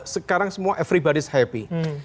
sekarang semua everybody is happy